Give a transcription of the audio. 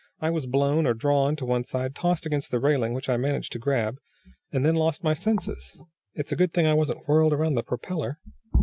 I was blown, or drawn to one side, tossed against the railing, which I managed to grab, and then I lost my senses. It's a good thing I wasn't whirled around the propeller."